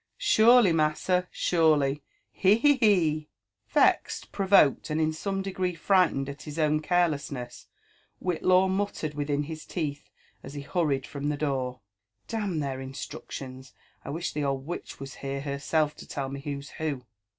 Sure ly, massa, sure ly,— hel he I be!" Yeied, provoked, and in some degree frightened at his own careless ness, Whitlaw muttered within his teeth as he hurried from the door» "D— n their instructions! I wish the old witch was here herself to tell me who's who.''